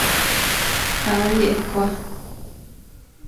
八叶瓜